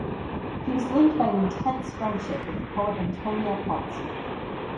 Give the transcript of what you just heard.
He was linked by an intense friendship with the poet Antonia Pozzi.